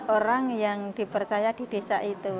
orang yang dipercaya di desa itu